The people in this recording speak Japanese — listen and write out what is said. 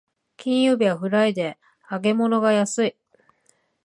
金曜日はフライデー、揚げ物が安い